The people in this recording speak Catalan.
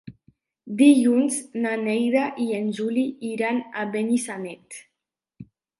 Dilluns na Neida i en Juli iran a Benissanet.